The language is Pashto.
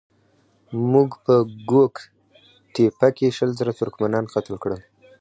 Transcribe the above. موږ په ګوک تېپه کې شل زره ترکمنان قتل کړل.